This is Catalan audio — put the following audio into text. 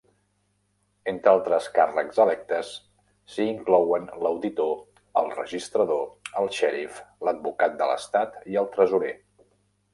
Entre altres càrrecs electes, s'hi inclouen l'auditor, el registrador, el xèrif, l'advocat de l'estat i el tresorer.